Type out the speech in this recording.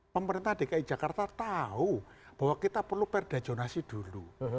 pemerintah dki jakarta tahu bahwa kita perlu perda jonasi dulu